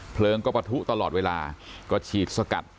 เพลิงก็ปะทุตลอดเวลาก็ฉีดสกัด